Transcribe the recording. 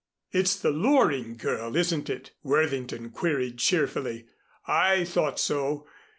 "It's the Loring girl, isn't it?" Worthington queried cheerfully. "I thought so.